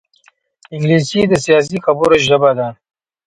انګلیسي د سیاسي خبرو ژبه ده